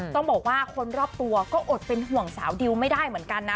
ต้องบอกว่าคนรอบตัวก็อดเป็นห่วงสาวดิวไม่ได้เหมือนกันนะ